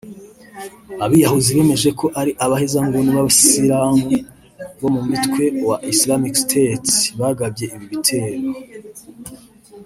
Abiyahuzi bemeje ko ari abahezanguni b’abayisilamu bo mu mutwe wa Islamic State bagabye ibi bitero